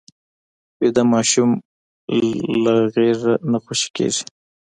ویده ماشوم له غېږه نه خوشې کېږي